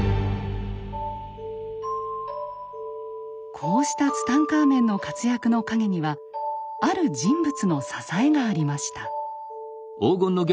こうしたツタンカーメンの活躍の陰にはある人物の支えがありました。